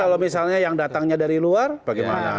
kalau misalnya yang datangnya dari luar bagaimana